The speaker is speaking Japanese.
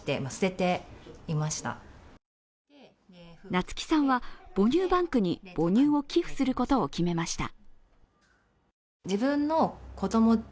夏季さんは母乳バンクに母乳を寄付することを決めました。